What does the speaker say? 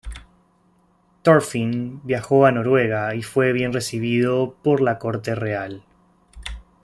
Thorfinn viajó a Noruega y fue bien recibido por la corte real.